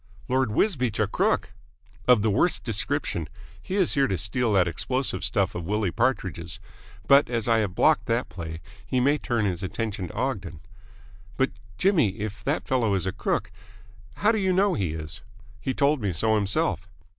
"Lord Wisbeach a crook!" "Of the worst description. He is here to steal that explosive stuff of Willie Partridge's. But as I have blocked that play, he may turn his attention to Ogden." "But, Jimmy, if that fellow is a crook how do you know he is?" "He told me so himself."